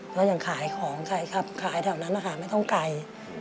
แล้วอย่างขายของขายครับขายแถวนั้นนะคะไม่ต้องไกล